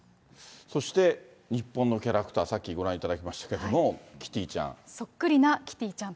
そして日本のキャラクター、さっきご覧いただきましたけれども、キティちゃん。